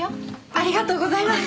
ありがとうございます！